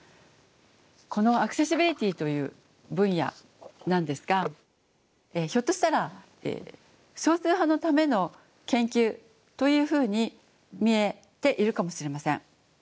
このアクセシビリティーという分野なんですがひょっとしたら少数派のための研究というふうに見えているかもしれません。